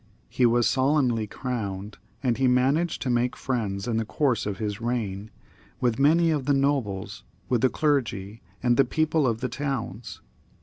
He was solemnly crowned, and he managed to make friends, in the course of his reign, with many of the nobles, with * the clergy, and the people of the towns.